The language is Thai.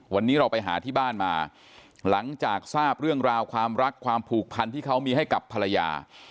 วันนี้เราไปหาที่บ้านมาหลังจากทราบเรื่องราวความรักความผูกพันที่เขามีให้กับภรรยา